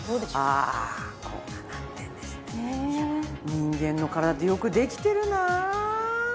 人間の体ってよくできてるなあ。